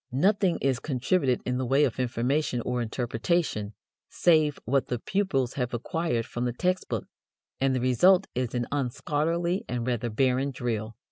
Nothing is contributed in the way of information or interpretation save what the pupils have acquired from the text book, and the result is an unscholarly and rather barren drill.